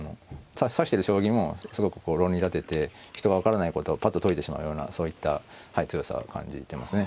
指してる将棋もすごくこう論理立てて人が分からないことをぱっと解いてしまうようなそういった強さを感じてますね。